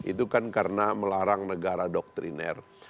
itu kan karena melarang negara doktriner